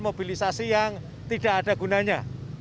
mobilisasi yang tidak ada gunanya